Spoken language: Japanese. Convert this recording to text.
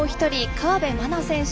河辺愛菜選手。